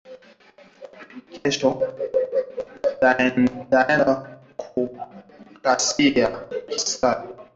Kesho taenda ku kasayi nika uze diamand